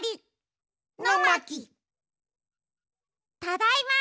ただいま。